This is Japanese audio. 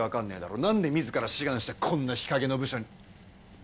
なんで自ら志願してこんな日陰の部署に。